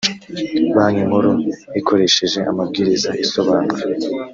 banki nkuru ikoresheje amabwiriza isobanura